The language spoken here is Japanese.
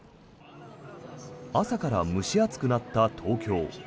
朝から蒸し暑くなった東京。